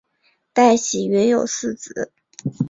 戴喜云有四子。